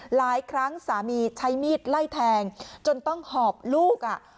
หลายครั้งสามีใช้มีดไล่แทงจนต้องหอบลูกอ่ะ